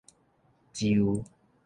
就